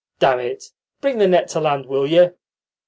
Damn it, bring the net to land, will you!"